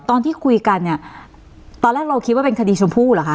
ตอนที่คุยกันเนี่ยตอนแรกเราคิดว่าเป็นคดีชมพู่เหรอคะ